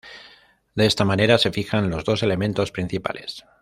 De esta manera se fijan los dos elementos principales.